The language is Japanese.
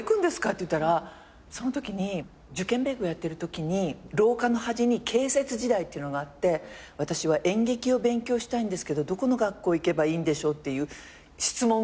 っていったらそのときに受験勉強やってるときに廊下の端に『螢雪時代』っていうのがあって「私は演劇を勉強したいんですけどどこの学校行けばいいでしょう？」っていう質問コーナーがあって。